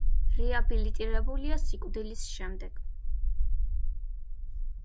რეაბილიტირებულია სიკვდილის შემდეგ.